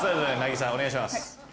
渚お願いします。